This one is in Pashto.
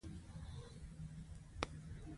افغانستان په نړۍ کې د انګورو له مخې پېژندل کېږي.